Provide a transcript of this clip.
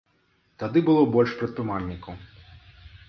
Тады больш было прадпрымальнікаў.